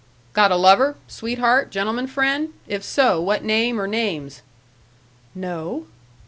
"Got a lover, sweetheart, gentleman friend? If so, what name or names?" "No."